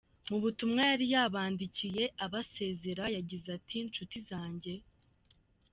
Mu butumwa yari yabandikiye abasezera yagize ati “Nshuti zanjye.